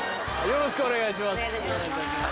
よろしくお願いします。